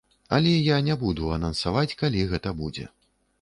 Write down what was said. Але я не буду анансаваць, калі гэта будзе.